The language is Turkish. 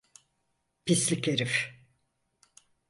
Pislik herif!